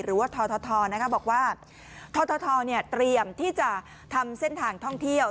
หรือว่าททบอกว่าททเตรียมที่จะทำเส้นทางท่องเที่ยว